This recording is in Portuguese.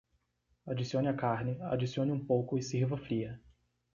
Adicione a carne, adicione um pouco e sirva fria.